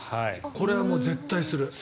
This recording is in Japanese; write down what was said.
これは絶対する。